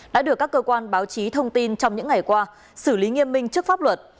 đã được các cơ quan báo chí thông tin trong những ngày qua xử lý nghiêm minh trước pháp luật